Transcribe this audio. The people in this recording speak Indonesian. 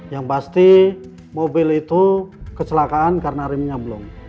yang pasti mobil itu kecelakaan karena remnya belum